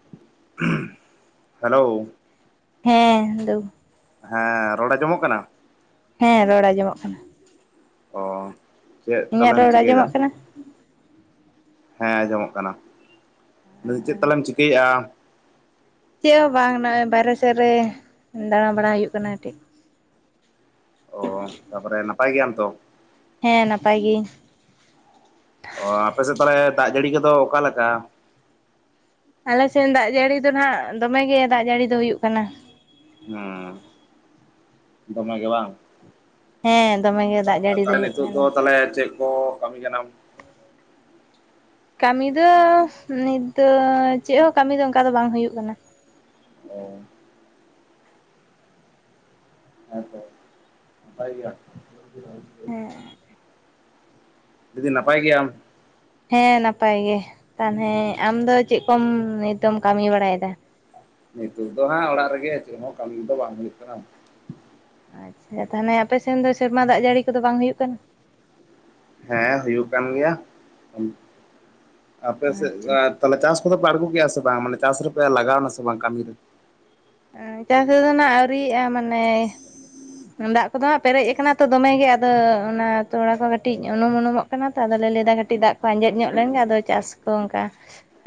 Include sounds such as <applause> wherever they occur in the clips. ᱼᱼ <unintelligible> ᱦᱮᱞᱳ ᱦᱮᱸᱼᱫᱩ ᱦᱮᱸ ᱨᱚᱲ ᱟᱸᱡᱚᱢᱚᱜ ᱠᱟᱱᱟ? ᱦᱮᱸ ᱨᱚᱲ ᱟᱸᱡᱚᱢᱼᱜ ᱠᱟᱱᱟ ᱚ ᱪᱮᱫ ᱤᱧᱟᱹᱜ ᱛᱟᱦᱚᱞᱮᱢ ᱨᱚᱲ ᱪᱤᱠᱟᱹᱭ ᱮᱫᱟ? ᱟᱸᱡᱚᱢᱚᱜ ᱠᱟᱱᱟ? ᱦᱮᱸ ᱟᱸᱡᱚᱢᱚᱜ ᱠᱟᱱᱟ, ᱞᱟᱹᱭᱫᱟᱸᱧ ᱪᱮᱫ ᱛᱟᱞᱮᱢ ᱪᱤᱠᱟᱹᱭᱮᱫᱟ ᱪᱮᱫ ᱦᱚᱸ ᱵᱟᱝ ᱱᱚᱜᱼᱚᱭ ᱵᱟᱨᱦᱮ ᱥᱮᱫ ᱨᱮ ᱫᱟᱬᱟ ᱵᱟᱲᱟ ᱦᱩᱭᱩᱜ ᱠᱟᱱᱟ ᱴᱤᱠ ᱚᱻ ᱛᱟᱯᱚᱨᱮ ᱱᱟᱯᱟᱭ ᱜᱮᱭᱟᱢ ᱛᱚ ᱦᱮᱸ ᱱᱟᱯᱟᱭ ᱜᱮ ᱚᱻ ᱟᱯᱮ ᱥᱮᱫ ᱛᱟᱦᱚᱞᱮ ᱫᱟᱜ ᱡᱟᱹᱲᱤ ᱠᱚᱫᱚ ᱚᱠᱟᱞᱮᱠᱟ? ᱟᱞᱮ ᱥᱮᱱ ᱫᱟᱜ ᱡᱟᱹᱲᱤ ᱫᱚ ᱱᱟᱦᱟᱜ ᱫᱚᱢᱮ ᱜᱮ ᱫᱟᱜ ᱡᱟᱲᱤ ᱫᱚ ᱦᱩᱭᱩᱜ ᱠᱟᱱᱟ ᱦᱮᱸ ᱫᱚᱢᱮ ᱜᱮ ᱵᱟᱝ ᱦᱮᱸ ᱫᱚᱢᱮ ᱜᱮ ᱫᱟᱜ ᱡᱟᱹᱲᱤ ᱛᱟᱦᱞᱮ ᱦᱩᱭᱩᱜ ᱱᱤᱛᱳᱜ ᱫᱚ ᱠᱟᱱᱟ ᱛᱟᱦᱞᱮ ᱪᱮᱫ ᱠᱚ ᱠᱟᱹᱢᱤ ᱠᱟᱱᱟᱢ ᱠᱟᱢᱤ ᱫᱚ ᱱᱤᱛ ᱫᱚ ᱪᱮᱫ ᱦᱚᱸ ᱠᱟᱢᱤ ᱫᱚ ᱚᱱᱠᱟ ᱫᱚ ᱵᱟᱝ ᱦᱩᱭᱩᱜ ᱠᱟᱱᱟ <inaudible> ᱦᱮᱸ ᱥᱮ ᱱᱟᱯᱟᱭ ᱜᱮᱭᱟᱠᱚ ᱡᱩᱫᱤ ᱱᱟᱯᱟᱭ ᱜᱮᱭᱟᱢ ᱦᱮᱸ ᱱᱟᱯᱟᱭ ᱜᱮ, ᱛᱟᱦᱞᱮ ᱟᱢ ᱫᱚ ᱪᱮᱫ ᱠᱚᱢ ᱱᱤᱛᱮᱢ ᱠᱟᱹᱢᱤ ᱵᱟᱲᱟᱭᱮᱼᱫᱟ ᱱᱤᱛᱚᱜ ᱫᱚ ᱦᱟᱸᱜ ᱚᱲᱟᱜ ᱨᱮ ᱜᱮ, ᱪᱮᱫ ᱦᱚᱸ ᱠᱟᱹᱢᱤ ᱫᱚ ᱵᱟᱝ ᱦᱩᱭᱩᱜ ᱠᱟᱱᱟ ᱟᱪᱪᱷᱟ ᱛᱟᱦᱚᱞᱮ ᱟᱯᱮᱥᱮᱱ ᱫᱚ ᱥᱮᱨᱢᱟ ᱫᱟᱜ ᱡᱟᱹᱲᱤ ᱠᱚᱫᱚ ᱵᱟᱝ ᱦᱩᱭᱩᱜ ᱠᱟᱱᱟ? ᱦᱮᱸ ᱦᱩᱭᱩᱜ ᱠᱟᱱ ᱜᱮᱭᱟ, ᱟᱯᱮ ᱥᱮᱫ ᱟᱪᱪᱷᱟ <unintelligible> ᱛᱟᱦᱚᱞᱮ ᱪᱟᱥ ᱠᱚᱫᱚ ᱯᱮ ᱟᱬᱜᱳ ᱠᱮᱭᱟ ᱥᱮ ᱵᱟᱝ, ᱢᱟᱱᱮ ᱪᱟᱥ ᱨᱮᱯᱮ ᱞᱟᱜᱟᱣᱼᱱᱟ ᱥᱮ ᱵᱟᱝ ᱠᱟᱢᱤ ᱨᱮ ᱪᱟᱥ ᱫᱚ ᱱᱟᱜ ᱟᱹᱣᱨᱤᱭᱼᱟ ᱢᱟᱱᱮ ᱫᱟᱜ ᱠᱚᱫᱚ ᱦᱟᱸᱜ ᱯᱮᱨᱮᱡ ᱟᱠᱟᱱᱟ ᱛᱚ ᱫᱚᱢᱮ ᱜᱮ ᱟᱫᱚ ᱚᱱᱟ ᱛᱚᱲᱟ ᱠᱚ ᱠᱟᱹᱴᱤᱡ ᱩᱱᱩᱢ ᱩᱱᱩᱢᱚᱜ ᱱᱟ ᱛᱚ ᱛᱟᱦᱞᱮ ᱞᱟᱹᱭᱫᱟ ᱠᱟᱹᱴᱤᱡ ᱫᱟᱜ ᱠᱚ ᱟᱸᱡᱮᱫ ᱧᱚᱜ ᱞᱮᱱᱜᱮ ᱟᱫᱚ ᱪᱟᱥ ᱠᱚ ᱚᱱᱠᱟ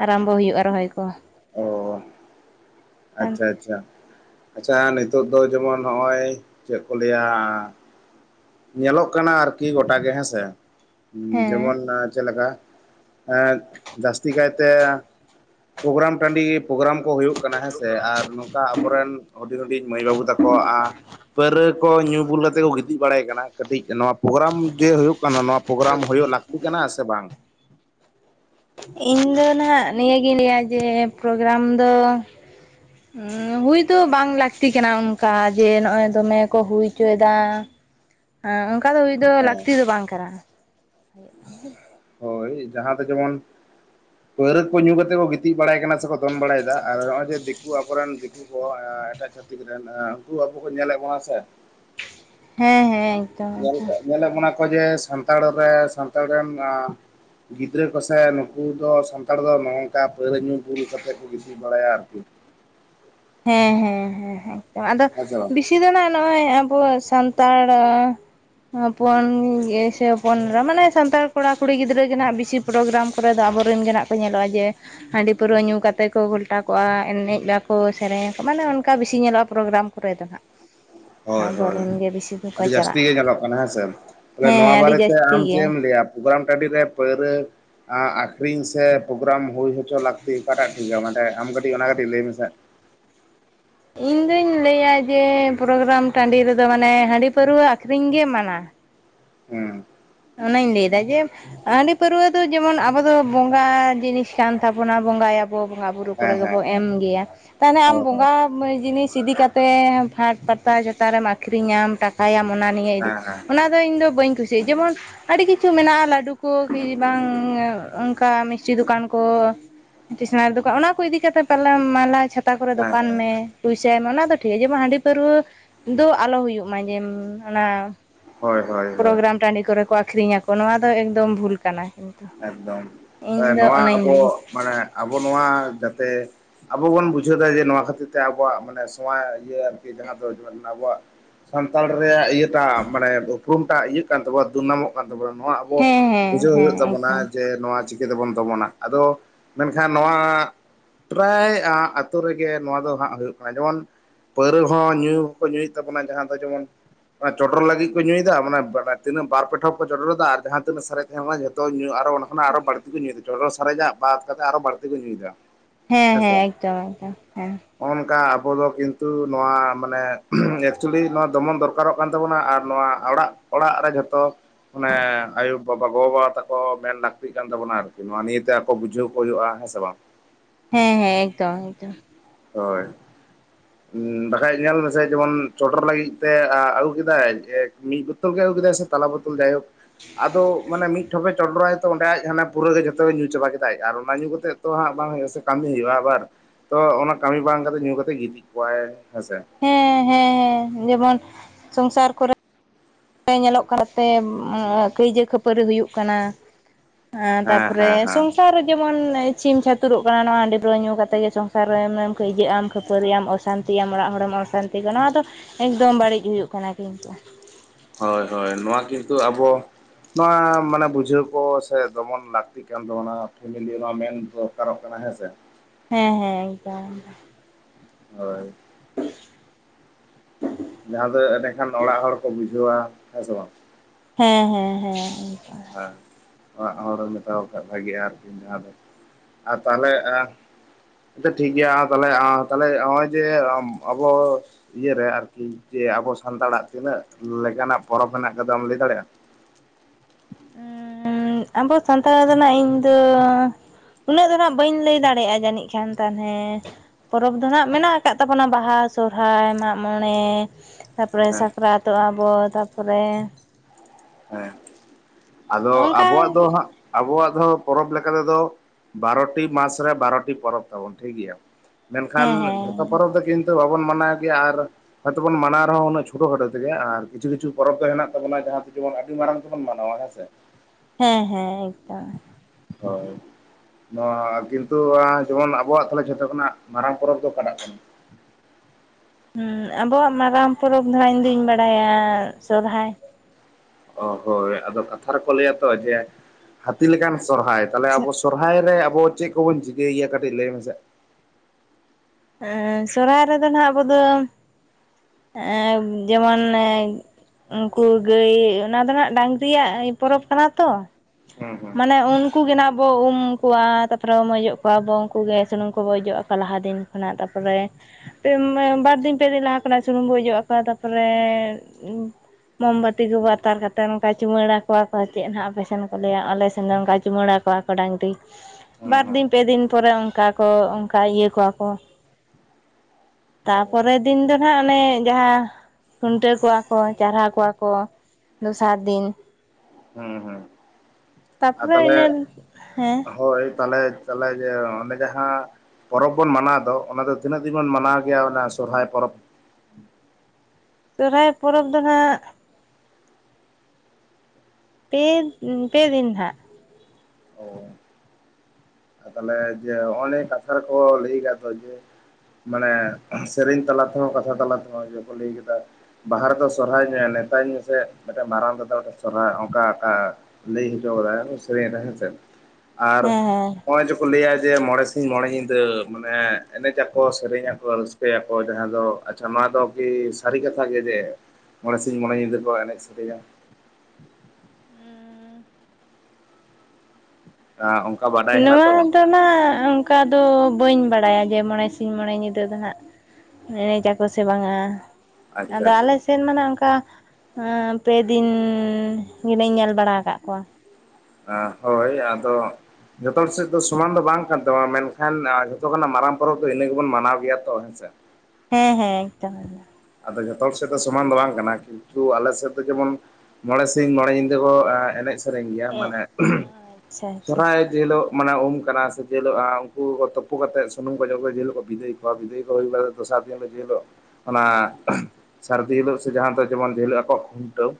ᱟᱨᱟᱢᱵᱚ ᱦᱩᱭᱩᱜ-ᱟ ᱨᱚᱦᱚᱭ ᱠᱚ ᱚ ᱟᱪᱪᱷᱟ ᱟᱪᱪᱷᱟ ᱟᱪᱪᱷᱟ ᱱᱤᱛᱚᱜ ᱫᱚ ᱡᱮᱢᱚᱱ ᱱᱚ-ᱜ ᱚᱭ ᱪᱮᱫ ᱠᱚ ᱞᱟᱹᱭᱟ ᱧᱮᱞᱚᱜ ᱠᱟᱱᱟ ᱟᱨ ᱠᱤ ᱜᱳᱴᱟ ᱜᱮ ᱦᱮᱸ ᱥᱮ ᱦᱮᱸ ᱡᱮᱢᱚᱱ ᱪᱮᱫ ᱞᱮᱠᱟ ᱡᱟᱥᱛᱤ ᱠᱟᱭ ᱛᱮ ᱯᱳᱜᱨᱟᱢ ᱴᱟᱺᱰᱤ ᱯᱳᱜᱨᱟᱢ ᱠᱚ ᱦᱩᱭᱩᱜ ᱠᱟᱱᱟ ᱦᱮᱸ ᱥᱮ ᱟᱨ ᱱᱚᱝᱠᱟ ᱟᱵᱚ ᱨᱮᱱ ᱦᱩᱰᱤᱧ ᱦᱩᱰᱤᱧ ᱢᱟᱹᱭ ᱵᱟᱵᱩ ᱛᱟᱠᱚ ᱟ ᱯ <inaudible> ᱠᱚ ᱧᱩ ᱵᱩᱞ ᱠᱟᱛᱮ ᱠᱚ ᱜᱤᱛᱤᱡ ᱵᱟᱲᱟᱭ ᱠᱟᱱᱟ ᱠᱟᱴᱤᱡ ᱱᱚᱣᱟ ᱯᱳᱜᱨᱟᱢ ᱡᱮ ᱦᱩᱭᱩᱜ ᱠᱟᱱᱟ ᱱᱚᱣᱟ ᱯᱳᱜᱨᱟᱢ ᱦᱩᱭᱩᱜ ᱞᱟᱠ ᱞᱟᱹᱠᱛᱤ ᱠᱟᱱᱟ ᱥᱮ ᱵᱟᱝ ᱤᱧ ᱫᱚ ᱱᱟᱦᱟᱜ ᱱᱤᱭᱟᱹ ᱜᱤᱧ ᱞᱟᱹᱭᱟ ᱡᱮ ᱯᱨᱳᱜᱨᱟᱢ ᱫᱚ ᱦᱩᱭ ᱫᱚ ᱵᱟᱝ ᱞᱟᱠᱛᱤ ᱠᱟᱱᱟ ᱚᱱᱠᱟ ᱡᱮ ᱱᱚᱜᱚᱭ ᱫᱚᱢᱮ ᱠᱚ ᱦᱩᱭ ᱪᱳᱭ ᱫᱟ ᱦᱮᱸ ᱚᱱᱠᱟ ᱫᱚ ᱦᱩᱭ ᱫᱚ ᱦᱮᱸ ᱞᱟᱹᱠᱛᱤ ᱫᱚ ᱵᱟᱝ ᱠᱟᱱᱟ ᱦᱩᱭᱩᱜ ᱛᱮ <inaudible> ᱦᱳᱭ ᱡᱟᱦᱟᱸ ᱫᱚ ᱡᱮᱢᱚᱱ ᱯᱟᱹᱣᱨᱟᱹ ᱠᱚ ᱧᱩ ᱠᱟᱛᱮ ᱠᱚ ᱜᱤᱛᱤᱡ ᱵᱟᱲᱟᱭ ᱠᱟᱱᱟ ᱥᱮ ᱠᱚ ᱫᱚᱱ ᱵᱟᱲᱟᱭ ᱮᱫᱟ ᱟᱨ ᱦᱚᱜᱼᱚᱭ ᱡᱮ ᱫᱤᱠᱩ ᱟᱵᱚ ᱨᱮᱱ ᱫᱤᱠᱩ ᱩᱱᱠᱩ ᱠᱚ ᱮᱴᱟᱜ ᱪᱷᱟᱛᱤᱠ ᱨᱮᱱ ᱩᱱᱠᱩ ᱟᱵᱚ ᱠᱚ ᱧᱮᱞ ᱮᱫ ᱵᱚᱱᱟ ᱥᱮ ᱦᱮᱸ ᱦᱮᱸ ᱮᱠᱫᱚᱢ ᱮᱠᱫᱚᱢ ᱧᱮᱞ ᱮᱫ ᱵᱚᱱᱟ ᱠᱚ ᱡᱮ ᱥᱟᱱᱛᱟᱲ ᱥᱟᱱᱛᱟᱲ ᱨᱮᱱ ᱜᱤᱫᱽᱨᱟᱹ ᱠᱚ ᱥᱮ ᱱᱩᱠᱩ ᱫᱚ ᱥᱟᱱᱛᱟᱲ ᱫᱚ ᱱᱚᱜᱼᱚ ᱱᱚᱝᱠᱟ ᱯᱟᱹᱣᱨᱟᱹ ᱧᱩ ᱵᱩᱞ ᱠᱟᱛᱮ ᱠᱚ ᱜᱤᱛᱤᱡ ᱵᱟᱲᱟᱭᱟ ᱟᱨ ᱠᱤ ᱦᱮᱸ ᱦᱮᱸ ᱦᱮᱸ ᱟᱫᱚ ᱦᱮᱸ ᱥᱮ ᱵᱟᱝ ᱵᱤᱥᱤ ᱫᱚ ᱱᱚᱜᱼᱚᱭ ᱟᱵᱚ ᱥᱟᱱᱛᱟᱲ ᱦᱚᱯᱚᱱ ᱜᱮ ᱥᱮ ᱦᱚᱯᱚᱱ ᱮᱨᱟ ᱢᱟᱱᱮ ᱥᱟᱱᱛᱟᱲ ᱠᱚᱲᱟ ᱠᱩᱲᱤ ᱜᱤᱫᱽᱨᱟᱹ ᱜᱮ ᱱᱟᱦᱟᱜ ᱵᱤᱥᱤ ᱯᱨᱳᱜᱨᱟᱢ ᱠᱚᱨᱮ ᱫᱚ ᱟᱵᱚ ᱨᱮᱱ ᱜᱮ ᱱᱟᱜ ᱠᱚ ᱧᱮᱞᱚᱜ-ᱟ ᱡᱮ ᱦᱟᱺᱰᱤ ᱯᱟᱹᱣᱨᱟᱹ ᱧᱩ ᱠᱟᱛᱮᱫ ᱠᱚ ᱜᱷᱚᱞᱴᱟᱣ ᱠᱚᱜ-ᱟ ᱮᱱᱮᱡ ᱟᱠᱚ ᱥᱮᱨᱮᱧ ᱟᱠᱚ ᱢᱟᱱᱮ ᱚᱱᱠᱟ ᱵᱤᱥᱤ ᱧᱮᱞᱚᱜ-ᱟ ᱯᱨᱳᱜᱨᱟᱢ ᱠᱚ ᱨᱮ ᱫᱚ ᱱᱟᱦᱟᱜ ᱦᱳᱭ ᱦᱳᱭ ᱟᱹᱰᱤ ᱡᱟᱥᱛᱤ ᱪᱟᱞᱟᱜᱼᱟ ᱜᱮ ᱧᱮᱞᱚᱜ ᱠᱟᱱᱟ ᱦᱮᱸ ᱥᱮ ᱛᱟᱦᱟᱞᱮ ᱱᱚᱣᱟ ᱦᱮᱸ ᱟᱹᱰᱤ ᱵᱟᱨᱮ ᱛᱮ ᱡᱟᱹᱥᱛᱤ ᱟᱢ ᱜᱮ ᱪᱮᱫ ᱮᱢ ᱞᱟᱹᱭᱟ ᱯᱨᱳᱜᱨᱟᱢ ᱴᱟᱺᱰᱤ ᱨᱮ ᱯᱟᱹᱣᱨᱟᱹ ᱟᱠᱷᱨᱤᱧ ᱥᱮ ᱯᱨᱳᱜᱨᱟᱢ ᱦᱩᱭ ᱦᱚᱪᱚ ᱞᱟᱹᱠᱛᱤ ᱚᱠᱟᱴᱟᱜ ᱴᱷᱤᱠ ᱟ ᱢᱟᱱᱮ ᱟᱢ ᱠᱟᱹᱴᱤᱡ ᱚᱱᱟ ᱠᱟᱹᱴᱤᱡ ᱞᱟᱹᱭ ᱢᱮ ᱥᱮ ᱤᱧ ᱫᱩᱧ ᱞᱟᱹᱭ ᱟ ᱡᱮ ᱯᱨᱳᱜᱨᱟᱢ ᱴᱟᱺᱰᱤ ᱨᱮ ᱫᱚ ᱢᱟᱱᱮ ᱦᱟᱺᱰᱤ ᱯᱟᱹᱨᱟᱹᱣᱟᱹ ᱟᱠᱷᱨᱤᱧ ᱜᱮ ᱢᱟᱱᱟᱹ ᱦᱮᱸ ᱚᱱᱟᱧ ᱞᱟᱹᱭ ᱫᱟ ᱡᱮ ᱦᱟᱺᱰᱤ ᱯᱟᱹᱨᱟᱹᱣᱟᱹ ᱫᱚ ᱡᱮᱢᱚᱱ ᱟᱵᱚ ᱫᱚ ᱵᱚᱸᱜᱟ ᱡᱤᱱᱤᱥ ᱠᱟᱱ ᱛᱟᱵᱚᱱᱟ ᱵᱚᱸᱜᱟ ᱭᱟᱵᱚᱱ ᱟᱵᱚ ᱵᱚᱸᱜᱟ ᱵᱩᱨᱩ ᱠᱚ ᱦᱮᱸ ᱨᱮ ᱜᱮᱵᱚ ᱦᱮᱸ ᱦᱮᱸ ᱮᱢ ᱜᱮᱭᱟ ᱛᱟᱦᱚᱞᱮ ᱟᱢ ᱦᱳᱭ ᱦᱳᱭ ᱵᱚᱸᱜᱟ ᱢᱟᱹᱡ ᱡᱤᱱᱤᱥ ᱤᱫᱤ ᱠᱟᱛᱮ ᱦᱟᱴ ᱯᱟᱛᱟ ᱡᱚᱛᱟ ᱨᱮᱢ ᱟᱹᱠᱷᱨᱤᱧ ᱧᱟᱢ ᱴᱟᱠᱟ ᱛᱟᱭᱟᱢ ᱚᱱᱟ ᱱᱤᱭᱮ ᱤᱫᱤ ᱦᱮᱸ ᱦᱮᱸ ᱦᱮᱸ ᱚᱱᱟ ᱫᱚ ᱤᱧ ᱫᱚ ᱵᱟᱹᱧ ᱠᱩᱥᱤᱭᱟᱜ-ᱟ ᱡᱮᱢᱚᱱ ᱟᱰᱤ ᱠᱤᱪᱷᱩ ᱢᱮᱱᱟᱜ-ᱟ ᱞᱟᱹᱰᱩ ᱠᱚ ᱠᱤ ᱵᱟᱝ ᱚᱱᱠᱟ ᱢᱤᱥᱴᱤ ᱫᱚᱠᱟᱱ ᱠᱚ ᱴᱮᱥᱱᱟᱨᱤ ᱫᱚᱠᱟᱱ ᱚᱱᱟ ᱠᱚ ᱤᱫᱤ ᱠᱟᱛᱮᱫ ᱯᱟᱞᱮ ᱢᱟᱞᱟ ᱪᱷᱟᱛᱟ ᱠᱚ ᱨᱮ ᱫᱚᱠᱟᱱ ᱦᱮᱸ ᱢᱮ ᱯᱩᱭᱥᱟᱭ ᱮᱢᱟ ᱚᱱᱟ ᱫᱚ ᱴᱷᱤᱠ ᱜᱮᱭᱟ ᱡᱮᱢᱚᱱ ᱦᱟᱺᱰᱤ ᱯᱟᱹᱨᱣᱨᱟᱹ ᱫᱚ ᱟᱞᱚ ᱦᱩᱭᱩᱜ ᱢᱟ ᱭᱮᱢ ᱚᱱᱟ ᱦᱳᱭ ᱦᱳᱭ ᱦᱳᱭ ᱯᱨᱳᱜᱨᱟᱢ ᱴᱟᱺᱰᱤ ᱠᱚ ᱨᱮ ᱠᱚ ᱟᱹᱠᱷᱨᱤᱧ ᱟᱠᱚ ᱱᱚᱣᱟ ᱫᱚ ᱮᱠᱫᱚᱢ ᱵᱷᱩᱞ ᱠᱟᱱᱟ ᱮᱠᱫᱚᱢ ᱤᱧ ᱫᱚ ᱱᱚᱣᱟ ᱚᱱᱟᱧ ᱟᱵᱚ ᱞᱟᱹᱭᱟ ᱢᱟᱱᱮ ᱟᱵᱚ ᱱᱚᱣᱟ ᱡᱟᱛᱮ ᱟᱵᱚ ᱵᱚᱱ ᱵᱩᱡᱷᱟᱹᱣ ᱫᱟ ᱡᱮ ᱱᱚᱣᱟ ᱠᱷᱟᱹᱛᱤᱨ ᱛᱮ ᱟᱵᱚᱣᱟᱜ ᱢᱟᱱᱮ ᱱᱚᱣᱟ ᱤᱭᱟᱹ ᱟᱨᱠᱤ ᱡᱟᱦᱟᱸ ᱫᱚ ᱡᱷᱚᱨᱱᱟ ᱟᱵᱚᱣᱟᱜ ᱥᱟᱱᱛᱟᱲ ᱨᱮᱭᱟᱜ ᱤᱭᱟᱹ ᱴᱟᱜ ᱢᱟᱱᱮ ᱩᱯᱨᱩᱢ ᱴᱟᱜ ᱤᱭᱟᱹᱜ ᱠᱟᱱ ᱛᱟᱵᱚᱱᱟ ᱫᱩᱨᱱᱟᱢᱚᱜ ᱠᱟᱱ ᱛᱟᱵᱚᱱᱟ ᱱᱚᱣᱟ ᱟ ᱦᱮᱸ ᱦᱮᱸ ᱵᱩᱡᱷᱟᱹᱣ ᱦᱮᱸ ᱦᱩᱭᱩᱜ ᱮᱠᱫᱚᱢ ᱛᱟᱵᱚᱱᱟ ᱡᱮ ᱱᱚᱣᱟ ᱪᱤᱠᱟᱹ ᱛᱮᱵᱚᱱ ᱫᱚᱢᱚ ᱱᱟ ᱟᱫᱚ ᱢᱮᱱᱠᱷᱟᱱ ᱱᱚᱣᱟ ᱯᱨᱟᱭ ᱟᱛᱳ ᱨᱮ ᱜᱮ ᱱᱚᱣᱟ ᱫᱚ ᱦᱚᱜ ᱦᱩᱭᱩᱜ ᱠᱟᱱᱟ ᱡᱮᱢᱚᱱ ᱯᱟᱹᱣᱨᱟᱹ ᱦᱚᱸ ᱧᱩ ᱦᱚᱸᱠᱚ ᱧᱩᱭᱮᱜ ᱛᱟᱵᱩᱱᱟ ᱡᱟᱦᱟᱸ ᱫᱚ ᱡᱮᱢᱚᱱ ᱢᱟ ᱪᱚᱰᱚᱨ ᱞᱟᱹᱜᱤᱜ ᱠᱚ ᱧᱩᱭᱫᱟ ᱢᱟᱱᱮ ᱛᱤᱱᱟᱹᱜ ᱵᱟᱨ ᱯᱮ ᱴᱷᱚᱯ ᱠᱚ ᱪᱚᱰᱚᱨ ᱫᱟ ᱟᱨ ᱡᱟᱦᱟᱸ ᱛᱤᱱᱟᱹᱜ ᱥᱟᱨᱮᱡ ᱧᱟᱢᱚᱜᱼᱟ ᱡᱚᱛ ᱛᱚ ᱧᱩ ᱟᱨᱚ ᱚᱱᱟ ᱠᱷᱚᱱᱟᱜ ᱟᱨᱚ ᱵᱟᱹᱲᱛᱤ ᱠᱚ ᱧᱩᱭᱫᱟ ᱪᱚᱰᱚᱨ ᱥᱟᱨᱮᱡᱟᱜ ᱵᱟᱫ ᱠᱟᱛᱮ ᱟᱨᱚ ᱵᱟᱹᱲᱛᱤ ᱠᱚ ᱧᱩᱭᱫᱟ᱾ ᱦᱮᱸ ᱦᱮᱸ ᱮᱠᱫᱚᱢ ᱮᱠᱫᱚᱢ ᱦᱮᱸ᱾ ᱦᱚᱸᱜ-ᱚᱱ ᱠᱟ ᱟᱵᱚ ᱫᱚ ᱠᱤᱱᱛᱩ ᱱᱚᱣᱟ ᱢᱟᱱᱮ ᱮᱠᱪᱩᱞᱤ ᱱᱚᱣᱟ ᱫᱚᱢᱚᱱ ᱫᱚᱨ ᱠᱟᱨᱚᱜ ᱠᱟᱱ ᱛᱟᱵᱚᱱᱟ ᱟᱨ ᱱᱚᱣᱟ ᱚᱲᱟᱜ ᱚᱲᱟᱜ ᱨᱮ ᱡᱷᱚᱛᱚ ᱢᱟᱱᱮ ᱟᱭᱩᱼᱵᱟᱵᱟ ᱜᱚᱼᱵᱟᱵᱟ ᱛᱟᱠᱚ ᱠᱚ ᱢᱮᱱ ᱞᱟᱹᱠᱛᱤᱜ ᱠᱟᱱ ᱛᱟᱵᱚᱱᱟ ᱟᱨᱠᱤ ᱱᱚᱣᱟ ᱱᱤᱭᱟᱹ ᱛᱮ ᱟᱠᱚ ᱵᱩᱡᱷᱟᱹᱣ ᱠᱚ ᱦᱩᱭᱩᱜᱼᱟ᱾ ᱦᱮᱸ ᱥᱮ ᱵᱟᱝ? ᱦᱮᱸ ᱦᱮᱸ ᱮᱠᱫᱚᱢ ᱮᱠᱫᱚᱢ᱾ ᱦᱳᱭ ᱵᱟᱠᱷᱟᱡ ᱧᱮᱞ ᱢᱮᱥᱮ ᱡᱮᱢᱚᱱ ᱪᱚᱰᱚᱨ ᱞᱟᱹᱜᱤᱜ ᱛᱮ ᱮᱸ ᱟᱹᱜᱩ ᱠᱮᱫᱟᱭ ᱡᱮ ᱢᱤᱜ ᱵᱳᱛᱚᱞ ᱜᱮ ᱟᱹᱜᱩ ᱠᱮᱫᱟᱭ ᱥᱮ ᱛᱟᱞᱟ ᱵᱳᱛᱚᱞ ᱡᱟᱭᱦᱳᱠ ᱟᱫᱚ ᱢᱟᱱᱮ ᱢᱤᱜ ᱴᱷᱚᱯᱮ ᱪᱚᱰᱚᱨᱟᱭ ᱛᱚ ᱚᱸᱰᱮ ᱟᱡ ᱦᱟᱱᱮ ᱯᱩᱨᱟᱹᱜᱮ ᱡᱷᱚᱛᱚ ᱜᱮ ᱧᱩ ᱪᱟᱵᱟ ᱠᱮᱫᱟᱭ ᱟᱨ ᱚᱱᱟ ᱧᱩ ᱠᱟᱛᱮᱜ ᱫᱚ ᱦᱟᱸᱜ ᱵᱟᱝ ᱦᱩᱭᱩᱜᱼᱟ ᱥᱮ ᱠᱟᱹᱢᱤ ᱦᱩᱭᱩᱜᱼᱟ ᱟᱵᱟᱨ ᱛᱚ ᱚᱱᱟ ᱠᱟᱹᱢᱤ ᱵᱟᱝ ᱠᱟᱛᱮᱜ ᱧᱩ ᱠᱟᱛᱮᱜ ᱜᱤᱛᱤᱡ ᱠᱚᱣᱟᱭ ᱦᱮᱸᱥᱮ᱾ ᱦᱮᱸ ᱦᱮᱸ ᱡᱮᱢᱚᱱ ᱥᱚᱝᱥᱟᱨ ᱠᱚᱨᱮ ᱮ ᱧᱮᱞᱚᱜ ᱠᱟᱱᱟ ᱯᱮ ᱢᱚ-ᱢᱚ ᱠᱟᱹᱭᱡᱟᱹ ᱠᱷᱟᱹᱯᱟᱹᱨᱤ ᱦᱩᱭᱩᱜ ᱠᱟᱱᱟᱹ ᱦᱮ ᱦᱮᱸ ᱛᱟᱯᱚᱨᱮ ᱦᱮᱸ ᱦᱮᱸ ᱥᱚᱝᱥᱟᱨ ᱨᱮ ᱡᱮᱢᱚᱱ ᱪᱷᱤᱝ ᱪᱷᱟᱹᱛᱩᱨᱚᱜ ᱠᱟᱱᱟ ᱱᱚᱣᱟ ᱦᱟᱺᱰᱤ ᱯᱟᱹᱨᱣᱟᱹ ᱧᱩ ᱠᱟᱛᱮᱜ ᱜᱮ ᱥᱚᱝᱥᱟᱨ ᱨᱮᱢ ᱦᱟᱱᱮ ᱠᱷᱟᱹᱭᱡᱟᱹᱜ ᱟᱢ ᱠᱷᱟᱹᱯᱟᱹᱨᱤ ᱟᱢ ᱚᱥ ᱚᱥᱟᱱᱛᱤ ᱭᱟᱢ ᱚᱲᱟᱜ ᱦᱚᱲᱮᱢ ᱚᱼᱥᱟᱱᱛᱤ ᱠᱟᱱᱟ ᱱᱚᱣᱟ ᱫᱚ ᱮᱠᱫᱚᱢ ᱵᱟᱹᱲᱤᱡ ᱦᱩᱭᱩᱜ ᱠᱟᱱᱟ ᱠᱤᱱᱛᱩ ᱦᱚᱭ ᱦᱚᱭ ᱱᱚᱣᱟ ᱠᱤᱱᱛᱩ ᱟᱵᱚ ᱱᱚᱣᱟ ᱢᱟᱱᱮ ᱵᱩᱡᱷᱟᱹᱣ ᱠᱚ ᱥᱮ ᱫᱚᱢᱚᱱ ᱞᱟᱹᱠ ᱛᱤ ᱠᱟᱱ ᱛᱟᱵᱚᱱᱟ ᱯᱷᱮᱢᱤᱞᱤ ᱨᱮᱦᱚᱸ ᱢᱮᱱ ᱫᱚᱨᱠᱟᱨᱚᱜ ᱠᱟᱱᱟ ᱦᱮᱸᱥᱮ᱾ ᱦᱮᱸ ᱦᱮᱸ ᱮᱫᱚᱢ ᱾ ᱦᱳᱭ ᱡᱟᱦᱟᱸ ᱫᱚ ᱮᱸᱰᱮᱠᱷᱟᱱ ᱚᱲᱟᱜ ᱦᱚᱲ ᱠᱚ ᱵᱩᱡᱷ ᱡᱚᱣᱟ ᱦᱮᱸ ᱥᱮ ᱵᱟᱝ? ᱦᱮᱸ ᱦᱮᱸ ᱦᱮᱸ ᱦᱮᱸ ᱚᱲᱟᱜ ᱦᱚᱲ ᱢᱮᱛᱟᱣ ᱠᱚ ᱠᱷᱟᱡ ᱵᱷᱟᱜᱤᱜᱼᱟ ᱟᱨᱠᱤ ᱡᱟᱦᱟᱸ ᱫᱚ ᱟᱨ ᱛᱟᱦᱞᱮ ᱟᱸ ᱟᱪᱷᱟ ᱴᱷᱤᱠ ᱜᱮᱭᱟ ᱛᱟᱦᱞᱮ ᱟᱸ ᱛᱟᱦᱞᱮ ᱦᱚᱜᱼᱚᱭ ᱡᱮ ᱟᱵᱚ ᱤᱭᱟᱹᱨᱮ ᱟᱨᱠᱤ ᱡᱮ ᱟᱵᱚ ᱥᱟᱱᱛᱟᱲᱟᱜ ᱛᱤᱱᱟᱹᱜ ᱞᱮᱠᱟᱱᱟᱜ ᱯᱚᱨᱚᱵᱽ ᱦᱮᱱᱟᱜ ᱠᱟᱫᱟᱢ ᱞᱟᱹᱭ ᱫᱟᱲᱮᱜᱼᱟ? ᱮᱸ ᱟᱵᱚ ᱥᱟᱱᱛᱟᱲᱟᱜ ᱫᱚ ᱱᱟᱜ ᱤᱧ ᱫᱚ ᱩᱱᱟᱹᱜ ᱫᱚ ᱱᱟᱜ ᱵᱟᱹᱧ ᱞᱟᱹᱭ ᱫᱟᱲᱮᱜᱼᱟ ᱡᱟᱹᱱᱤᱡ ᱠᱷᱟᱱ ᱛᱮᱞᱦᱮ ᱯᱚᱨᱚᱵᱽ ᱫᱚ ᱱᱟᱜ ᱢᱮᱱᱟᱜ ᱠᱟᱜ ᱛᱟᱵᱚᱱᱟ ᱵᱟᱦᱟ ᱥᱚᱨᱦᱟᱭ ᱢᱟᱜ ᱢᱚᱬᱮ ᱛᱟᱯᱚᱨᱮ ᱦᱮᱸ ᱥᱟᱠᱨᱟᱛᱚᱜᱼᱟ ᱵᱚ ᱛᱟᱯᱚᱨᱮ ᱦᱮᱸ ᱟᱫᱚ ᱚᱱᱠᱟ ᱟᱵᱚᱣᱟᱜ ᱫᱚ ᱦᱟᱸᱜ ᱟᱵᱚᱣᱟᱜ ᱫᱚ ᱯᱚᱨᱚᱵᱽ ᱞᱮᱠᱟ ᱛᱮᱫᱚ ᱵᱟᱨᱚᱴᱤ ᱢᱟᱥ ᱨᱮ ᱵᱟᱨᱚᱴᱤ ᱯᱚᱨᱚᱵᱽ ᱛᱟᱵᱚᱱ ᱴᱷᱤᱠᱜᱮᱭᱟ᱾ ᱢᱮᱱᱠᱷᱟᱱ ᱦᱮᱸ ᱡᱷᱚᱛᱚ ᱦᱮᱸ ᱯᱚᱨᱚᱵᱽ ᱫᱚ ᱠᱤᱱᱛᱩ ᱵᱟᱵᱚᱱ ᱢᱟᱱᱟᱣ ᱜᱮᱭᱟ ᱟᱨ ᱦᱚᱭᱛᱚᱵᱚᱱ ᱢᱟᱱᱟᱣ ᱨᱮᱦᱚᱸ ᱩᱱᱟᱹᱜ ᱪᱷᱳᱴᱳ ᱠᱷᱟᱴᱳ ᱛᱮᱜᱮ ᱮᱸ ᱠᱤᱪᱷᱩ ᱠᱤᱪᱷᱩ ᱯᱚᱨᱽ ᱫᱚ ᱦᱮᱱᱟᱜ ᱛᱟᱵᱚᱱᱟ ᱡᱟᱦᱟᱸ ᱡᱮᱢᱚᱱ ᱟᱹᱰᱤ ᱢᱟᱨᱟᱝ ᱛᱮᱵᱚᱱ ᱢᱟᱱᱣᱟᱹ ᱦᱮᱸ ᱥᱮ? ᱦᱮᱸ ᱦᱮᱸ ᱮᱠᱫᱚᱢ᱾ ᱦᱳᱭ ᱱᱚᱣᱟ ᱠᱤᱱᱛᱩ ᱟᱸ ᱡᱮᱢᱚᱱ ᱟᱵᱚᱣᱟᱜ ᱛᱟᱞᱦᱮ ᱡᱷᱚᱛᱚ ᱠᱷᱚᱱᱟᱜ ᱢᱟᱨᱟᱝ ᱯᱚᱨᱚᱵᱽ ᱫᱚ ᱚᱠᱟᱴᱟᱜ ᱠᱟᱱᱟ? ᱦᱮᱸ ᱟᱵᱚᱣᱟᱜ ᱢᱟᱨᱟᱝ ᱯᱚᱨᱚᱵᱽ ᱫᱚ ᱦᱟᱸᱜ ᱤᱧ ᱫᱩᱧ ᱵᱟᱲᱟᱭᱟ ᱥᱚᱨᱦᱟᱭ᱾ ᱚ ᱦᱳᱭ ᱟᱫᱚ ᱠᱟᱛᱷᱟ ᱨᱮᱠᱚ ᱞᱟᱹᱭᱟ ᱛᱚ ᱡᱮ ᱦᱟᱺᱛᱤ ᱞᱮᱠᱟᱱ ᱥᱚᱨᱦᱟᱭ ᱛᱟᱞᱦᱮ ᱟᱵᱚ ᱥᱚ ᱥᱚᱨᱦᱟᱭ ᱨᱮ ᱟᱵᱚ ᱪᱮᱜ ᱠᱚᱵᱚᱱ ᱪᱤᱠᱟᱹᱭ ᱜᱮᱭᱟ? ᱠᱟᱹᱴᱤᱡ ᱞᱟᱹᱭ ᱢᱮᱥᱮ ᱮᱸ ᱥᱚᱨᱦᱟᱭ ᱨᱮᱫᱚ ᱱᱟᱦᱟᱜ ᱟᱵᱚ ᱫᱚ ᱮᱸ ᱡᱮᱢᱚᱱ ᱮᱸ ᱩᱝᱠᱩ ᱜᱟᱹᱭ ᱚᱱᱟ ᱫᱚ ᱱᱟᱦᱟᱜ ᱰᱟᱝᱨᱤᱭᱟᱜ ᱯᱚᱨᱚᱵᱽ ᱠᱟᱱᱟ ᱛᱚ ᱦᱩᱸ ᱦᱩᱸ ᱢᱟᱱᱮ ᱩᱱ ᱠᱩᱜᱮ ᱱᱟᱦᱟᱜ ᱵᱚ ᱩᱢᱠᱚᱣᱟ ᱛᱟᱯᱚᱨᱮ ᱩᱢ ᱚᱡᱚᱜ ᱠᱚᱣᱟᱵᱚ ᱩᱝᱠᱩᱜᱮ ᱥᱩᱱᱩᱢ ᱠᱚᱵᱚ ᱚᱡᱚᱜ ᱟᱠᱚᱣᱟ ᱞᱟᱦᱟ ᱫᱤᱱ ᱚᱱᱟ ᱛᱟᱯᱚᱨᱮ ᱯᱮᱢ ᱮ ᱵᱟᱨ ᱫᱤᱱ ᱯᱮ ᱫᱤᱱ ᱞᱟᱦᱟᱹ ᱠᱷᱱᱟᱜ ᱥᱩᱱᱩᱢ ᱵᱚᱱ ᱚᱡᱚᱜ ᱟᱠᱚᱣᱟ ᱛᱟᱯᱚᱨᱮ ᱢᱳᱚᱢᱵᱟᱹᱛᱤ ᱠᱚ ᱟᱛᱟᱨ ᱠᱟᱛᱮ ᱚᱱᱠᱟ ᱪᱩᱢᱟᱹᱲᱟ ᱠᱚᱣᱟ ᱠᱚ ᱪᱮᱫ ᱦᱟᱜ ᱟᱯᱮ ᱥᱮᱱ ᱠᱚ ᱫᱚ? ᱟ ᱟᱞᱮ ᱥᱮᱫ ᱫᱚ ᱚᱱᱠᱟ ᱪᱩᱢᱟᱹᱲᱟ ᱠᱚᱣᱟ ᱠᱚ ᱰᱟᱝᱨᱤ᱾ ᱦᱩᱸ ᱵᱟᱨ ᱦᱩᱸ ᱫᱤᱱ ᱯᱮᱫᱤᱱ ᱯᱚᱨᱮ ᱚᱱᱠᱟ ᱠᱚ ᱚᱱᱠᱟ ᱤᱭᱟᱹ ᱠᱚᱣᱟ ᱠᱚ ᱛᱟᱨᱯᱚᱨᱮᱨ ᱫᱤᱱ ᱫᱚ ᱦᱟᱜ ᱚᱱᱮ ᱡᱟᱦᱟᱸ ᱠᱷᱩᱱᱴᱟᱹᱣ ᱠᱚᱣᱟ ᱠᱚ ᱪᱟᱨᱦᱟ ᱠᱚᱣᱟ ᱠᱚ᱾ ᱫᱚᱥᱟᱨ ᱫᱤᱱ ᱦᱮᱸ ᱦᱮᱸ ᱟᱨ ᱛᱟᱯᱚᱨᱮ ᱛᱟᱦᱚᱞᱮ ᱤᱱᱟᱹ ᱦᱮᱸ ᱦᱳᱭ ᱛᱟᱦᱞᱮ ᱛᱟᱦᱚᱞᱮ ᱡᱮ ᱚᱱᱮ ᱡᱟᱦᱟᱸ ᱯᱚᱨᱚᱵᱽ ᱵᱚᱱ ᱢᱟᱱᱟᱣ ᱮᱫ ᱫᱚ ᱚᱱᱟ ᱫᱚ ᱛᱤᱱᱟᱹᱜ ᱫᱤᱱ ᱵᱚᱱ ᱢᱟᱱᱟᱣ ᱜᱮᱭᱟ ᱚᱱᱟ ᱥᱚᱨᱚᱦᱟᱭ ᱯᱚᱨᱚᱵᱽ? ᱥᱚᱨᱦᱟᱭ ᱯᱚᱨᱚᱵᱽ ᱫᱚ ᱦᱟᱸᱜ ᱯᱮ ᱯᱮᱫᱤᱱ ᱦᱟᱜ᱾ <inaudible> ᱛᱟᱦᱚᱞᱮ ᱡᱮ ᱚᱱᱮ ᱠᱟᱛᱷᱟ ᱨᱮᱠᱚ ᱞᱟᱹᱭ ᱟᱠᱟ ᱫᱚ ᱡᱮ ᱢᱟᱱᱮ ᱥᱮᱨᱮᱧ ᱛᱟᱞᱟ ᱛᱮᱦᱚᱸ ᱠᱟᱛᱷᱟ ᱛᱟᱞᱟ ᱛᱮᱦᱚᱸ ᱡᱮ ᱠᱚ ᱞᱟᱹᱭ ᱠᱮᱫᱟ᱾ ᱵᱟᱦᱟ ᱨᱮᱫᱚ ᱥᱚᱨᱦᱟᱭ ᱢᱮ ᱱᱮᱛᱟᱧ ᱢᱮᱥᱮ ᱢᱤᱫᱴᱟᱝ ᱢᱟᱨᱟᱝ ᱫᱟ ᱫᱚ ᱢᱤᱫᱴᱮᱱ ᱥᱚᱨᱦᱟᱭ ᱚᱱᱠᱟ ᱞᱟᱹᱭ ᱦᱚᱪᱚ ᱠᱟᱫᱟᱭ ᱥᱮᱨᱮᱧ ᱨᱮ‌ ᱦᱮᱸᱥᱮ ᱟᱨ ᱦᱮᱸ ᱦᱮᱸ ᱠᱚ ᱞᱟᱹᱭᱟ ᱡᱮ ᱢᱚᱬᱮ ᱥᱤᱧ ᱢᱚᱬᱮ ᱧᱤᱫᱟᱹ ᱢᱟᱱᱮ ᱮᱱᱮᱡ ᱟᱠᱚ ᱥᱮᱨᱮᱧᱟ ᱠᱚ ᱨᱟᱹᱥᱠᱟᱹᱭᱟᱠᱚ ᱡᱟᱦᱟᱸ ᱫᱚ ᱟᱪᱪᱷᱟ ᱱᱚᱣᱟ ᱫᱚ ᱠᱤ ᱥᱟᱹᱨᱤ ᱠᱟᱛᱷᱟ ᱜᱮ ᱡᱮ ᱢᱚᱬᱮ ᱥᱤᱧ ᱢᱚᱬᱮ ᱧᱤᱫᱟᱹ ᱠᱚ ᱮᱱᱮᱡ ᱥᱮᱨᱮᱧᱟ᱾ <inaudible> ᱦᱮ ᱚᱱᱠᱟ ᱵᱟᱰᱟᱭ ᱦᱮᱱᱟᱜ ᱱᱚᱣᱟ ᱛᱟᱵᱚᱱᱟ ᱫᱚ ᱟᱸᱜ ᱚᱱᱠᱟ ᱫᱚ ᱵᱟᱹᱧ ᱵᱟᱲᱟᱭᱟ ᱡᱮ ᱢᱚᱬᱮ ᱥᱤᱧ ᱢᱚᱬᱮ ᱧᱤᱫᱟᱹ ᱫᱚ ᱦᱟᱸᱜ ᱮᱱᱮᱡ ᱟᱠ ᱠᱚ ᱥᱮ ᱵᱟᱝᱼᱟ ᱟᱫᱚ ᱟᱪᱪᱷᱟ ᱟᱞᱮ ᱟᱪᱪᱷᱟ ᱥᱮᱱ ᱢᱟᱱᱮ ᱚᱱᱠᱟ ᱯᱮᱫ ᱤᱱ ᱜᱮᱞᱮᱧ ᱧᱮᱞ ᱵᱟᱲᱟ ᱟᱠᱟᱫ ᱠᱚᱣᱟ᱾ ᱦᱳᱭ ᱟᱫᱚ ᱡᱚᱛᱚ ᱦᱚᱲ ᱥᱮᱫ ᱫᱚ ᱥᱚᱢᱟᱱ ᱫᱚ ᱵᱟᱝ ᱠᱟᱱ ᱛᱟᱵᱚᱱᱟ, ᱢᱮᱱᱠᱷᱟᱱ ᱡᱷᱚᱛᱚ ᱠᱷᱚᱱᱟᱜ ᱢᱟᱨᱟᱝ ᱯᱚᱨᱚᱵᱽ ᱫᱚ ᱤᱱᱟᱹ ᱜᱮᱵᱚᱱ ᱢᱟᱱᱟᱣ ᱜᱮᱭᱟ ᱛᱚ ᱦᱮᱸᱥᱮ᱾ ᱦᱮᱸ ᱦᱮᱸ ᱮᱠᱫᱚᱢ ᱮᱠᱫᱚᱢ ᱟᱫᱚ ᱡᱚᱛᱚ ᱦᱚᱲ ᱥᱮᱫ ᱫᱚ ᱥᱚᱢᱟᱱ ᱫᱚ ᱵᱟᱝ ᱠᱟᱱᱟ ᱠᱤᱱᱛᱩ ᱟᱞᱮ ᱥᱮᱫ ᱫᱚ ᱡᱮᱢᱚᱱ ᱢᱚᱬᱮ ᱥᱤᱧ ᱢᱚᱬᱮ ᱧᱤᱫᱟᱹ ᱠᱚ ᱮᱱᱮᱡ ᱥᱮᱨᱮᱧ ᱜᱮᱭᱟ ᱮ ᱢᱟᱱᱮ ᱟᱪᱪᱷᱟ ᱟᱪᱪᱷᱟ ᱥᱚᱨᱦᱟᱭ ᱡᱮ ᱦᱤᱞᱳᱜ ᱢᱟᱱᱮ ᱩᱢ ᱠᱟᱱᱟ ᱥᱮ ᱡᱮᱦᱤᱞᱳᱜ ᱩᱱᱠᱩ ᱛᱩᱯᱩ ᱠᱟᱛᱮᱫ ᱥᱩᱱᱩᱢ ᱠᱚᱡᱚᱜ ᱠᱚ ᱡᱮᱞ ᱠᱚᱜ ᱵᱤᱫᱟᱹᱭ ᱠᱚᱣᱟ ᱵᱤᱫᱟᱹᱭ ᱠᱚ ᱦᱩᱭ ᱵᱟᱲᱟ ᱫᱚᱥᱟᱨ ᱫᱤᱱ ᱨᱮ ᱡᱮ ᱦᱤᱞᱳᱜ ᱚᱱᱟ ᱥᱟᱹᱨᱫᱤ ᱦᱤᱞᱳᱜ ᱥᱮ ᱡᱟᱦᱟᱸ ᱫᱚ ᱡᱮᱢᱚᱱ ᱡᱮ ᱦᱤᱞᱳᱜ ᱟᱠᱚ ᱠᱷᱩᱱᱴᱟᱹᱣ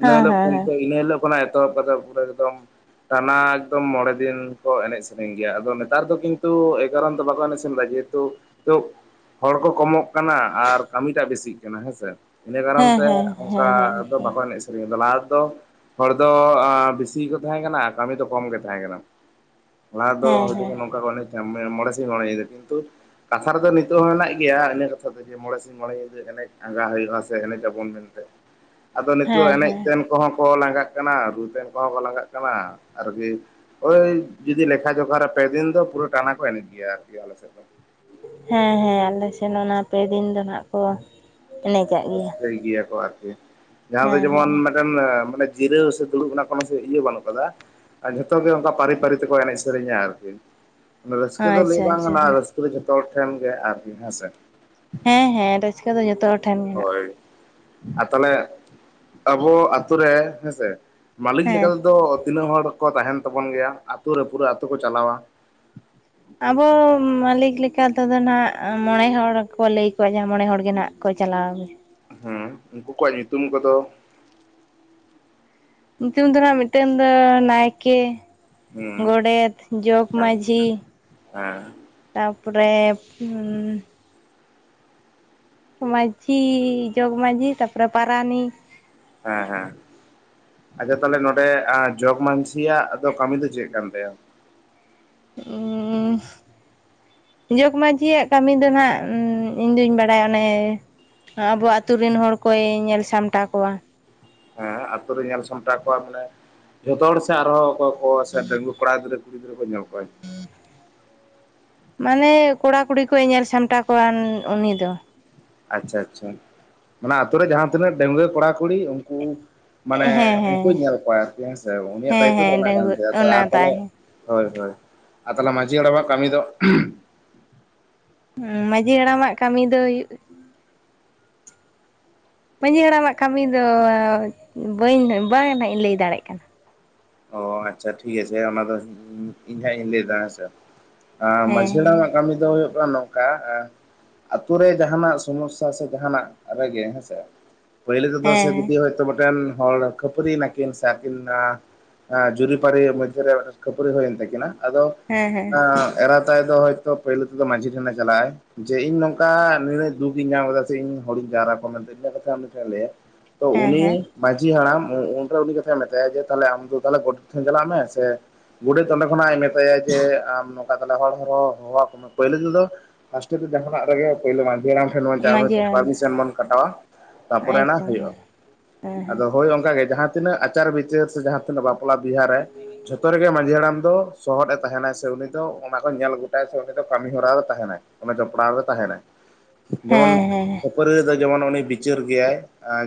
ᱤᱱᱟᱹ ᱦᱮᱸ ᱦᱤᱞᱳᱜ ᱦᱮᱸ ᱦᱮᱸ ᱤᱱᱟᱹ ᱦᱤᱞᱳᱜ ᱠᱷᱚᱱᱟᱜ ᱮᱛᱚᱦᱚᱵ ᱠᱟ ᱠᱟᱛᱮ ᱯᱩᱨᱟᱹ ᱮᱠᱫᱚᱢ ᱴᱟᱱᱟ ᱮᱠᱫᱚᱢ ᱢᱚᱬᱮ ᱫᱤᱱ ᱠᱚ ᱮᱱᱮᱡ ᱥᱮᱨᱮᱧ ᱜᱮᱭᱟ ᱟᱫᱚ ᱱᱮᱛᱟᱨ ᱫᱚ ᱠᱤᱱᱛᱩ ᱮ ᱠᱟᱨᱚᱱ ᱫᱚ ᱵᱟᱠᱚ ᱮᱱᱮᱡ ᱫᱟ ᱡᱮᱦᱮᱛᱩ ᱦᱚᱲ ᱠᱚ ᱠᱚᱢᱚᱜ ᱠᱟᱱᱟ ᱟᱨ ᱠᱟᱹᱢᱤᱴᱟᱜ ᱵᱮᱥᱤᱜ ᱠᱟᱱᱟ ᱦᱮᱸᱥᱮ᱾ ᱤᱱᱟᱹ ᱠᱟᱨᱚᱱ ᱦᱮᱸ ᱛᱮ ᱦᱮᱸ ᱦᱮᱸ ᱚᱱᱠᱟ ᱦᱮᱸ ᱫᱚ ᱵᱟᱠᱚ ᱮᱱᱮᱡ ᱥᱮᱨᱮᱧᱮᱫᱟ ᱞᱟᱦᱟ ᱛᱮᱫᱚ ᱦᱚᱲ ᱫᱚ ᱵᱮᱥᱤ ᱠᱚ ᱛᱟᱦᱮᱸ ᱠᱟᱱᱟ ᱠᱟᱹᱢᱤ ᱫᱚ ᱠᱚᱢ ᱜᱮ ᱛᱟᱦᱮᱸ ᱠᱟᱱᱟ᱾ ᱞᱟᱦᱟ ᱫᱚ ᱦᱮᱸ ᱦᱚᱭ ᱦᱮᱸ ᱱᱚᱝᱠᱟ ᱠᱚ ᱮᱱᱮᱡ ᱢᱚᱬᱮ ᱥᱤᱧ ᱢᱚᱮ ᱟ ᱠᱤᱱᱛᱩ ᱠᱟᱛᱷᱟ ᱨᱮᱫᱚ ᱱᱤᱛᱚᱜ ᱦᱚᱸ ᱦᱟᱜ ᱢᱮᱱᱟᱜ ᱜᱮᱭᱟ ᱤᱱᱟᱹ ᱠᱟᱛᱷᱟ ᱫᱚ ᱢᱚᱬᱮ ᱥᱤᱧ ᱢᱚᱬᱮ ᱧᱤᱫᱟᱹ ᱮᱱᱮᱡ ᱟᱸᱜᱟ ᱦᱩᱭᱩᱜᱼᱟ ᱥᱮ ᱮᱱᱮᱡ ᱟᱵᱚᱱ ᱢᱮᱱᱛᱮ ᱟᱫᱚ ᱱᱤᱛᱚᱜ ᱦᱮᱸ ᱦᱮᱸ ᱮᱱᱮᱡ ᱦᱮᱸ ᱛᱮᱱ ᱠᱚᱦᱚᱸ ᱠᱚ ᱞᱟᱸᱜᱟᱜ ᱠᱟᱱᱟ ᱨᱩ ᱛᱮᱱ ᱠᱚᱦᱚᱸ ᱠᱚ ᱞᱟᱸᱜᱟᱜ ᱠᱟᱱᱟ ᱟᱨᱠᱤ ᱳᱭ ᱡᱩᱫᱤ ᱞᱮᱠᱷᱟ ᱡᱚᱠᱷᱟᱨ ᱨᱮ ᱯᱮ ᱫᱤᱱ ᱫᱚ ᱯᱩᱨᱟᱹ ᱴᱟᱱᱟ ᱠᱚ ᱮᱱᱮᱡ ᱜᱮᱭᱟ ᱟᱨᱠᱤ ᱟᱞᱮᱥᱮᱫ ᱫᱚ᱾ ᱦᱮᱸ ᱦᱮᱸ ᱟᱞᱮ ᱥᱮᱱ ᱚᱱᱟ ᱯᱮᱫᱤᱱ ᱫᱚ ᱱᱟᱜ ᱠᱚ᱾ ᱮᱱᱮᱡᱟᱜ ᱜᱮᱭᱟ ᱨᱟᱹᱥᱠᱟᱹᱭ ᱜᱮᱭᱟᱠᱚ ᱟᱨᱠᱤ ᱡᱟᱦᱟᱸ ᱫᱚ ᱦᱮᱸ ᱡᱮᱢᱚᱱ ᱦᱮᱸ ᱢᱤᱫᱴᱮᱱ ᱢᱟᱱᱮ ᱡᱤᱨᱟᱹᱣ ᱥᱮ ᱫᱩᱲᱩᱵ ᱚᱱᱟ ᱠᱳᱱᱳ ᱤᱭᱟᱹ ᱵᱟᱹᱱᱩᱜ ᱟᱠᱟᱫᱟ ᱟᱨ ᱡᱷᱚᱛᱚ ᱜᱮ ᱚᱱᱠᱟ ᱯᱟᱹᱨᱤ ᱯᱟᱹᱨᱤ ᱛᱮᱠᱚ ᱮᱱᱮᱡ ᱥᱮᱨᱮᱧᱟ ᱟᱨᱠᱤ ᱨᱟᱹᱥᱠᱟᱹ ᱫᱚ ᱞᱟᱹᱭ ᱟᱪᱪᱷᱟ ᱵᱟᱝ ᱟᱪᱪᱷᱟ ᱠᱟᱱᱟ᱾ ᱦᱮᱸ ᱡᱷᱚᱛᱚ ᱦᱚᱲ ᱴᱷᱮᱱ ᱜᱮ ᱟᱨᱠᱤ ᱦᱮᱸᱥᱮ ᱦᱮᱸ ᱦᱮᱸ ᱨᱟᱹᱥᱠᱟᱹ ᱫᱚ ᱡᱚᱛᱚ ᱦᱚᱲ ᱴᱷᱮᱱ ᱢᱮᱱᱟᱜᱼᱟ᱾ ᱦᱳᱭ ᱟᱨ ᱛᱟᱦᱚᱞᱮ ᱟᱵᱚ ᱟᱹᱛᱩ ᱨᱮ ᱦᱮᱸᱥᱮ ᱢᱟᱹᱞᱤᱠ ᱦᱮᱸ ᱞᱮᱠᱟᱛᱮᱫᱚ ᱛᱤᱱᱟᱹᱜ ᱦᱚᱲ ᱠᱚ ᱛᱟᱦᱮᱱ ᱛᱟᱵᱚᱱ ᱜᱮᱭᱟ ᱟ ᱟᱹᱛᱩ ᱨᱮ ᱯᱩᱨᱟᱹ ᱟᱹᱛᱩ ᱠᱚ ᱪᱟᱞᱟᱣᱟ᱾ ᱟᱵᱚ ᱢᱟᱹᱞᱤᱠ ᱞᱮᱠᱟᱛᱮᱫᱚ ᱱᱟᱦᱟᱜ ᱢᱚᱬᱮ ᱦᱚᱲ ᱠᱚ ᱞᱟᱹᱭ ᱠᱚᱣᱟ ᱡᱟᱦᱟᱸ ᱢᱚᱬᱮ ᱦᱚᱲᱜᱮ ᱱᱟᱜ ᱠᱚ ᱪᱟᱞᱟᱣ ᱦᱮᱸ ᱩᱱᱠᱩ ᱠᱚᱣᱟᱜ ᱧᱩᱛᱩᱢ ᱠᱚᱫᱚ, ᱧᱩᱛᱩᱢ ᱫᱚ ᱢᱤᱫᱴᱮᱱ ᱫᱚ ᱱᱟᱭᱠᱮ ᱦᱮᱸ ᱜᱚᱰᱮᱛ ᱦᱮᱸ ᱡᱚᱜᱽᱢᱟᱹᱡᱷᱤ ᱦᱮᱸ ᱛᱟᱯᱚᱨᱮ ᱦᱩᱸ ᱢᱟᱹᱡᱷᱤ ᱡᱚᱜᱽ ᱢᱟᱹᱡᱷᱤ ᱛᱟᱯᱚᱨᱮ ᱯᱟᱨᱟᱱᱤᱠ ᱦᱮᱸ ᱦᱮᱸ ᱟᱪᱪᱷᱟ ᱛᱟᱦᱚᱞᱮ ᱱᱚᱸᱰᱮ ᱡᱚᱜᱽ ᱢᱟᱹᱡᱷᱤᱭᱟᱜ ᱟᱫᱚ ᱠᱟᱹᱢᱤ ᱫᱚ ᱪᱮᱫ ᱠᱟᱱ ᱛᱟᱭᱟ? ᱩᱸᱻ ᱡᱚᱜᱽ ᱢᱟᱹᱡᱷᱤᱭᱟᱜ ᱠᱟᱹᱢᱤ ᱫᱚ ᱱᱟᱜ ᱤᱧᱫᱚᱧ ᱵᱟᱲᱟᱭᱟ ᱚᱱᱮ ᱟᱵᱚ ᱟᱹᱛᱩ ᱨᱮᱱ ᱦᱚᱲ ᱠᱚᱭ ᱧᱮᱞ ᱥᱟᱢᱴᱟᱣ ᱠᱚᱣᱟ᱾ ᱦᱮᱸ ᱟᱛᱩ ᱨᱮ ᱧᱮᱞ ᱥᱟᱢᱴᱟᱣ ᱠᱚᱣᱟ ᱢᱟᱱᱮ ᱡᱷᱚᱛᱚ ᱦᱚᱲ ᱥᱮ ᱟᱨᱦᱚ ᱚᱠᱚᱭ ᱠᱚ ᱥᱮ ᱰᱟᱹᱜᱣᱟᱹ ᱠᱚᱲᱟ ᱜᱤᱫᱽᱨᱟᱹ ᱠᱩᱲᱤ ᱜᱤᱫᱽᱨᱟᱹ ᱠᱚ ᱧᱮᱞ ᱠᱚᱣᱟ᱾ ᱢᱟᱱᱮ ᱠᱚᱲᱟ ᱠᱩᱲᱤ ᱠᱚ ᱧᱮᱞ ᱥᱟᱢᱴᱟᱣ ᱠᱚᱣᱟ ᱩᱱᱤ ᱫᱚ᱾ ᱟᱪᱪᱷᱟ ᱟᱪᱪᱷᱟ ᱢᱟᱱᱮ ᱟᱛᱩᱨᱮ ᱡᱟᱦᱟᱸ ᱛᱤᱱᱟᱹᱜ ᱰᱟᱹᱜᱣᱟᱹ ᱠᱚᱲᱟ ᱠᱩᱲᱤ ᱩᱱᱠᱩ ᱢᱟᱱᱮ ᱦᱮᱸ ᱩᱱᱠᱩᱧ ᱦᱮᱸ ᱧᱮᱞ ᱠᱚᱣᱟ ᱟᱨᱠᱤ ᱦᱮᱸᱥᱮ ᱩᱱᱤᱭᱟᱜ ᱦᱮᱸ ᱫᱟᱭᱤᱛᱛᱚ ᱫᱚ ᱦᱮᱸ ᱠᱟᱱ ᱰᱟᱺᱜᱩᱣᱟᱹ ᱛᱟᱭᱟ ᱟᱨ ᱚᱱᱟ ᱛᱟᱦᱚᱞᱮ᱾ ᱛᱟᱭ ᱦᱳᱭ ᱦᱳᱭ ᱟ ᱛᱟᱞᱮ ᱢᱟᱡᱷᱤ ᱦᱟᱲᱟᱢᱟ ᱠᱟᱹᱢᱤ ᱫᱚ᱾ ᱦᱩ ᱢᱟᱹᱡᱷᱤ ᱦᱟᱲᱟᱢᱟᱜ ᱠᱟᱹᱢᱤ ᱫᱚ ᱦᱩᱭᱩᱜ ᱢᱟᱹᱡᱷᱤ ᱦᱟᱲᱟᱢᱟᱜ ᱠᱟᱹᱢᱤ ᱫᱚ ᱵᱟᱹᱧ ᱵᱟᱝ ᱱᱟᱜ ᱤᱧ ᱞᱟᱹᱭ ᱫᱟᱲᱮᱭᱟᱜ ᱠᱟᱱᱟ ᱚ ᱟᱪᱪᱷᱟ ᱴᱷᱤᱠ ᱟᱪᱷᱮ ᱚᱱᱟ ᱫᱚ ᱤᱧ ᱦᱟᱸᱜ ᱤᱧ ᱞᱟᱹᱭᱟ ᱦᱮᱸᱥᱮ ᱟᱸᱻ ᱦᱮᱸ ᱢᱟᱹᱡᱷᱤ ᱦᱟᱲᱟᱢᱟᱜ ᱠᱟᱹᱢᱤ ᱫᱚ ᱦᱩᱭᱩᱜ ᱠᱟᱱᱟ ᱱᱚᱠᱟ᱾ ᱟᱛᱳ ᱨᱮ ᱡᱟᱦᱟᱱᱟᱜ ᱥᱚᱢᱚᱥᱟ ᱥᱮ ᱡᱟᱦᱟᱱᱟᱜ ᱨᱮᱜᱮ ᱦᱮᱸᱥᱮ ᱯᱟᱹᱭᱞᱳ ᱛᱮᱫᱚ ᱥᱮ ᱦᱮᱸ ᱡᱩᱫᱤ ᱦᱚᱭᱛᱳ ᱢᱤᱫᱴᱮᱱ ᱦᱚᱲ ᱠᱷᱟᱹᱯᱟᱹᱨᱤᱭ ᱱᱟᱠᱤᱱ ᱥᱮ ᱟᱹᱠᱤᱱ ᱮᱸᱻ ᱡᱩᱨᱤᱯᱟᱹᱨᱤ ᱢᱚᱫᱽᱫᱷᱮᱨᱮ ᱢᱤᱫ ᱠᱷᱟᱹᱯᱟᱹᱨᱤ ᱦᱩᱭᱮᱱ ᱛᱟᱹᱠᱤᱱᱟ ᱟᱫᱚ ᱦᱮᱸ ᱦᱮᱸ ᱮᱸᱻ ᱮᱨᱟ ᱛᱟᱭ ᱫᱚ ᱦᱳᱭᱛᱚ ᱯᱟᱹᱭᱞᱟᱹ ᱛᱮᱫᱚ ᱢᱟᱹᱡᱷᱤ ᱴᱷᱮᱱᱮ ᱪᱟᱞᱟᱜᱼᱟᱭ ᱡᱮ ᱤᱧ ᱱᱚᱝᱠᱟ ᱱᱤᱱᱟᱹᱜ ᱫᱩᱠ ᱤᱧ ᱧᱟᱢ ᱠᱮᱫᱟ ᱥᱮ ᱤᱧ ᱦᱚᱲᱤᱧ ᱡᱟᱣᱨᱟ ᱠᱚᱣᱟ ᱢᱮᱱᱛᱮ ᱤᱧ ᱠᱟᱛᱷᱟ ᱩᱱᱤ ᱴᱷᱮᱱᱮᱧ ᱞᱟᱹᱭᱟ᱾ ᱛᱚ ᱦᱮᱸ ᱩᱱᱤ ᱦᱮᱸ ᱢᱟᱹᱡᱷᱤ ᱦᱟᱲᱟᱢ ᱩᱱᱨᱮ ᱩᱱᱤ ᱠᱟᱛᱷᱟᱭ ᱢᱮᱛᱟᱭᱟ ᱡᱮ ᱛᱟᱦᱚᱞᱮ ᱟᱢ ᱫᱚ ᱛᱟᱦᱚᱞᱮ ᱜᱚᱰᱮᱛ ᱴᱷᱮᱱ ᱪᱟᱞᱟᱜ ᱥᱮ ᱜᱚᱰᱮᱛ ᱚᱸᱰᱮ ᱠᱷᱚᱱᱟᱭ ᱢᱮᱛᱟᱭᱟ ᱡᱮ ᱟᱢ ᱱᱚᱝᱠᱟ ᱛᱟᱦᱟᱞᱮ ᱦᱚᱲ ᱦᱚ ᱦᱚ ᱠᱚᱣᱟ ᱯᱟᱹᱭᱞᱟᱹ ᱛᱮᱫᱚ ᱯᱷᱟᱥᱴᱮ ᱫᱚ ᱡᱟᱦᱟᱱᱟᱜ ᱨᱮᱜᱮ ᱯᱟᱹᱭᱞᱟᱹ ᱢᱟᱹᱡᱷᱤ ᱦᱟᱲᱟᱢ ᱢᱟᱺᱡᱷᱤ ᱦᱟᱲᱟᱢ ᱯᱟᱨᱢᱤᱥᱚᱱ ᱵᱚᱱ ᱠᱟᱴᱟᱣᱟ ᱛᱟᱨᱯᱚᱨᱮ ᱱᱟᱜ ᱦᱩᱭᱩᱼᱟ ᱮᱠᱫᱚᱢ ᱦᱮᱸ ᱦᱮᱸ ᱟᱫᱚ ᱦᱳᱭ ᱚᱱᱠᱟᱜ ᱜᱮ ᱡᱟᱦᱟᱸᱛᱤᱱᱟᱹᱜ ᱟᱪᱟᱨ-ᱵᱤᱪᱟᱹᱨ ᱥᱮ ᱡᱟᱦᱟᱸᱛᱤᱱᱟᱹᱜ ᱵᱟᱯᱞᱟ ᱵᱤᱦᱟᱹ ᱨᱮ ᱡᱷᱚ ᱚᱠᱛᱚ ᱨᱮᱜᱮ ᱢᱟᱺᱡᱷᱤ ᱦᱟᱲᱟᱢ ᱫᱚ ᱥᱚᱦᱚᱫᱮ ᱛᱟᱦᱮᱱᱟᱭ ᱥᱮ ᱩᱱᱤ ᱫᱚ ᱚᱱᱟ ᱠᱚ ᱧᱮᱞ ᱜᱚᱴᱟᱭ ᱥᱮ ᱩᱱᱤ ᱫᱚ ᱠᱟᱹᱢᱤ ᱦᱚᱨᱟᱨᱮ ᱛᱟᱦᱮᱱᱟᱭ ᱚᱱᱮ ᱡᱚᱯᱚᱲᱟᱣᱨᱮ ᱛᱟᱦᱮᱱᱟᱭ ᱡᱮᱢᱚᱱ᱾ ᱦᱮᱸ ᱦᱮᱸ ᱠᱷᱟᱹᱯᱟᱹᱨᱤ ᱨᱮᱫᱚ ᱡᱮᱢᱚᱱ ᱩᱱᱤ ᱵᱤᱪᱟᱹᱨ ᱜᱮᱭᱟᱭ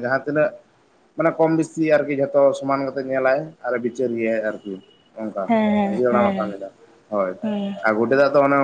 ᱡᱟᱦᱟᱸ ᱛᱤᱱᱟᱹᱜ ᱢᱟᱱᱮ ᱠᱚᱢ ᱵᱮᱥᱤ ᱟᱨᱠᱤ ᱡᱷᱚᱛᱚ ᱥᱚᱢᱟᱱ ᱠᱟᱛᱮ ᱧᱮᱞᱟᱭ ᱟᱨᱮ ᱵᱤᱪᱟᱹᱨ ᱜᱮᱭᱟᱭ ᱟᱨᱠᱤ ᱱᱚᱠᱟ ᱦᱮᱸ ᱦᱮᱸ ᱢᱟᱹᱡᱷᱤ ᱦᱟᱲᱟᱢ ᱦᱮᱸ ᱯᱳᱱᱞᱮᱫᱟ ᱦᱳᱭ ᱦᱮᱸ ᱟᱨ ᱜᱚᱰᱮᱛ ᱫᱟᱜ ᱚᱱᱟ᱾